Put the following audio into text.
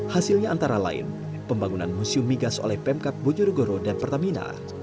hasilnya antara lain pembangunan museum migas oleh pemkap bojonegoro dan pertamina